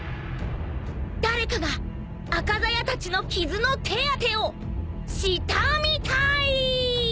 誰かが赤鞘たちの傷の手当てをしたみたい！